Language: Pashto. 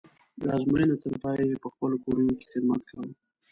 د ازموینې تر پایه یې په خپلو کورونو کې خدمت کوو.